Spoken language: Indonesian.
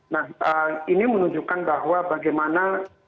nah ini menunjukkan bahwa bagaimana